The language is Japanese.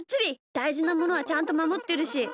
だいじなものはちゃんとまもってるし。